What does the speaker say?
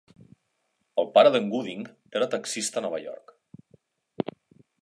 El pare d'en Gooding era taxista a Nova York.